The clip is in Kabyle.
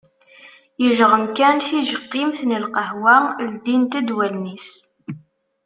Yejɣem kan tijeqqimt n lqahwa ldint-d wallen-is.